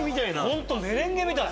ほんとメレンゲみたい。